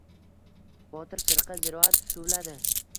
Botir firqa ziroat suvladi.